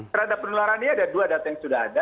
terhadap penularannya ada dua data yang sudah ada